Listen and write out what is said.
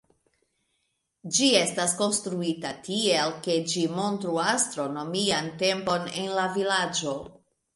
Ĝi estas konstruita tiel, ke ĝi montru astronomian tempon en la vilaĝo.